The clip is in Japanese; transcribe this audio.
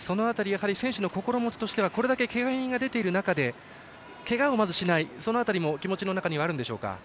選手の心持ちとしてはこれだけけが人が出ている中でけがを、まず、しないその辺りも気持ちの中にはあるんでしょうか。